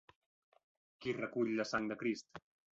Qui recull la sang de Crist?